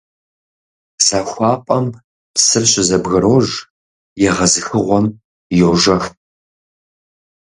ЗахуапӀэм псыр щызэбгрож, егъэзыхыгъуэм — йожэх.